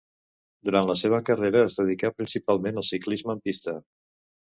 Durant la seva carrera es dedicà principalment al ciclisme en pista.